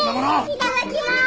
いただきます！